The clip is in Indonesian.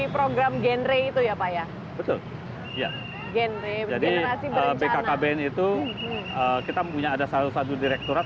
program genre itu ya pak ya betul ya genre jadi bkkbn itu kita punya ada salah satu direkturat